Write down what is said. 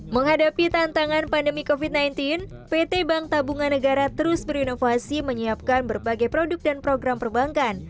menghadapi tantangan pandemi covid sembilan belas pt bank tabungan negara terus berinovasi menyiapkan berbagai produk dan program perbankan